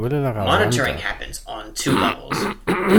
Monitoring happens on two levels.